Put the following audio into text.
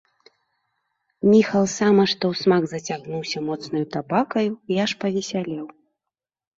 Міхал сама што ўсмак зацягнуўся моцнаю табакаю і аж павесялеў.